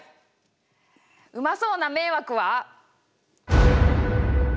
うまそうな「迷惑」は。